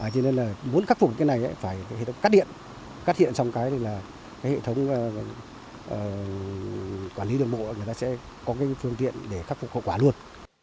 cho nên là muốn khắc phục cái này phải cắt điện cắt hiện xong cái thì là cái hệ thống quản lý đường bộ người ta sẽ có cái phương tiện để khắc phục khẩu quả luôn